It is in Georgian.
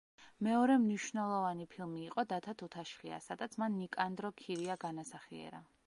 მეორე მნიშვნელოვანი ფილმი იყო დათა თუთაშხია, სადაც მან ნიკანდრო ქირია განასახიერა.